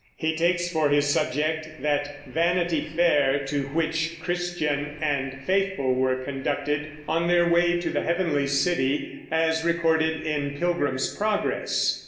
He takes for his subject that Vanity Fair to which Christian and Faithful were conducted on their way to the Heavenly City, as recorded in Pilgrim's Progress.